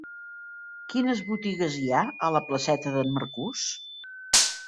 Quines botigues hi ha a la placeta d'en Marcús?